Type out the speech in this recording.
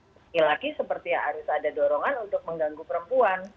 lagi lagi seperti harus ada dorongan untuk mengganggu perempuan